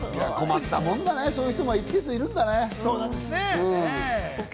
困ったもんだね、そういう人が一定数いるんだね。